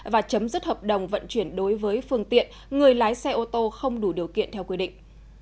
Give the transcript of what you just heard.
và chấm dứt hợp đồng vận chuyển đối với phương tiện người lái xe ô tô không đủ điều kiện theo quy định